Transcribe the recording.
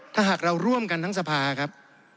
ถ้าหากเราร่วมกันทั้งสภาครับ